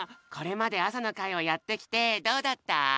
これまであさのかいをやってきてどうだった？